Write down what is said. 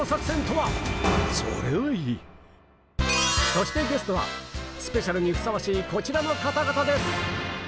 そしてゲストはスペシャルにふさわしいこちらの方々です！